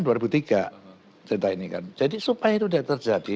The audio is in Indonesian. cerita ini kan jadi supaya itu tidak terjadi